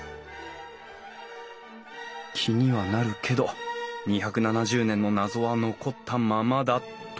気にはなるけど２７０年の謎は残ったままだと。